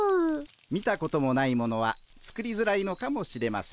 見たこともないものは作りづらいのかもしれません。